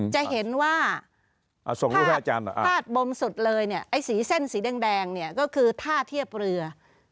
จะเห็นว่าพาดบมสุดเลยนี่ไอ้เส้นสีแดงนี่ก็คือถ้าเทียบเรือ